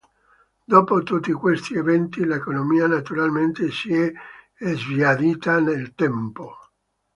Dopo tutti questi eventi l'economia naturalmente si è sbiadita nel tempo.